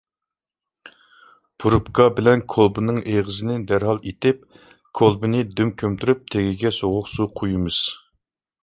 پۇرۇپكا بىلەن كولبىنىڭ ئېغىزىنى دەرھال ئېتىپ، كولبىنى دۈم كۆمتۈرۈپ تېگىگە سوغۇق سۇ قۇيىمىز.